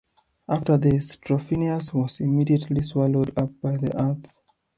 After this, Trophonius was immediately swallowed up by the earth.